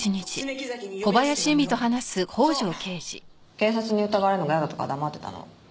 警察に疑われるのが嫌だったから黙ってたの。